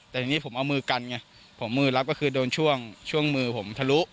แต่ทีนี้ผมเอามือกันไงผมมือรับก็คือโดนช่วงช่วงมือผมทะลุ